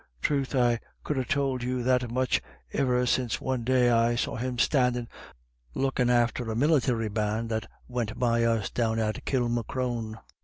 Troth, I could ha' tould you that much iver since one day I saw him standin' lookin' after a milithry band that went by us down at Kilmacrone.